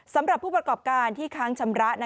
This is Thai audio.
สำหรับผู้ประกอบการที่ค้างชำระ